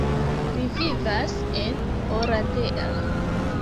Li vivas en Oradea.